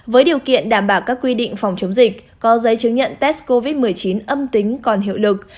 với điều kiện đảm bảo các quy định phòng chống dịch có giấy chứng nhận test covid một mươi chín âm tính còn hiệu lực